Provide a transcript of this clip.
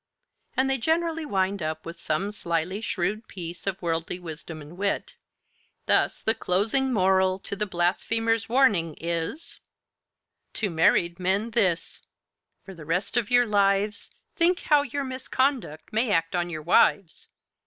And they generally wind up with some slyly shrewd piece of worldly wisdom and wit. Thus, the closing moral to 'The Blasphemer's Warning' is: "To married men this For the rest of your lives, Think how your misconduct may act on your wives!